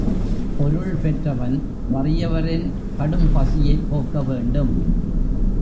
பொருள் பெற்றவன் வறியவரின் கடும்பசியைப் போக்க வேண்டும்.